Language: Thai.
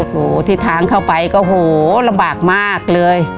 โหที่ทางเข้าไปก็โหลำบากมากเลย